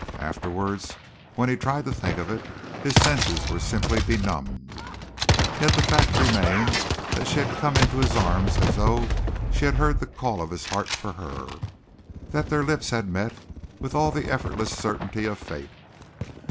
Afterwards, when he tried to think of it, his senses were simply benumbed. Yet the fact remained that she had come into his arms as though she had heard the call of his heart for her, that their lips had met with all the effortless certainty of fate.